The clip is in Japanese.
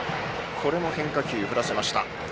これも変化球、振らせました。